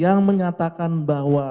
yang menyatakan bahwa